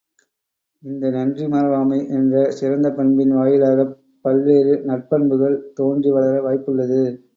இந்த நன்றி மறவாமை என்ற சிறந்த பண்பின் வாயிலாகப் பல்வேறு நற்பண்புகள் தோன்றி வளர வாய்ப்புள்ளது.